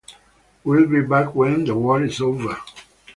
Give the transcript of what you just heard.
Will be back when the war is over.